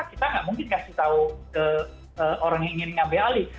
kita nggak mungkin kasih tahu ke orang yang ingin mengambil alih